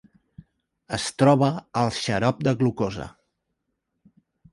Es troba al xarop de glucosa.